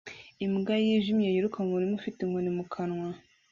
Imbwa yijimye yiruka mu murima ufite inkoni mu kanwa